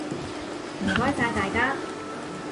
唔該晒大家！